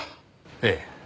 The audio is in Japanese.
ええ。